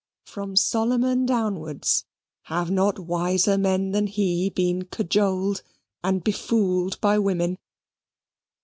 From Solomon downwards, have not wiser men than he been cajoled and befooled by women?